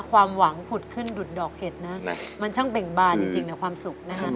ความหวังผุดขึ้นดุดดอกเห็ดนะมันช่างเบ่งบานจริงในความสุขนะฮะ